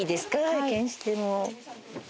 拝見しても。